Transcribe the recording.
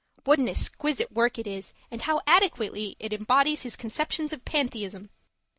What an exquisite work it is, and how adequately it embodies his conceptions of Pantheism!